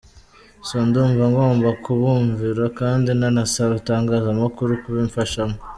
So, ndumva ngomba kubumvira kandi nanasaba itangazamakuru kubimfashamo.